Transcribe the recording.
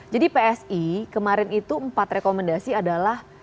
jadi psi kemarin itu empat rekomendasi adalah